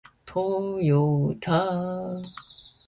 トヨタ